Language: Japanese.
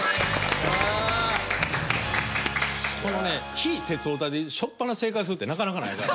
このね非・鉄オタでしょっぱな正解するってなかなかないから。